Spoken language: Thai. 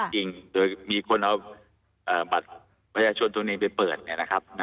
จริงโดยมีคนเอาบัตรประชาชนตัวนี้ไปเปิดเนี่ยนะครับ